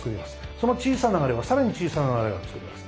その小さな流れはさらに小さな流れを作ります。